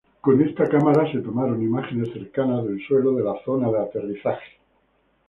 Con esta cámara se tomaron imágenes cercanas del suelo de la zona de aterrizaje.